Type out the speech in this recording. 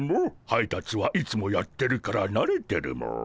配達はいつもやってるからなれてるモ。